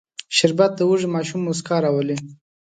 شربت د وږي ماشوم موسکا راولي